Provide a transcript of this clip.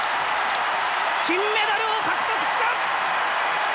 金メダルを獲得した！